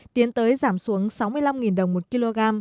tiến tới giảm xuống sáu mươi năm đồng một kg